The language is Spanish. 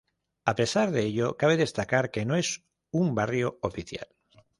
A pesar de ello, cabe destacar que no es un barrio oficial.